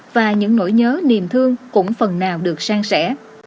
và những nỗi nhớ niềm thương cũng phần nào được sang sẻ